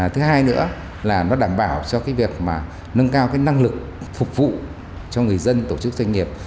thứ hai nữa là nó đảm bảo cho cái việc mà nâng cao cái năng lực phục vụ cho người dân tổ chức doanh nghiệp